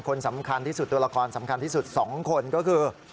คนสำคัญที่สุดตัวละครสำคัญที่สุด๒คนก็คือ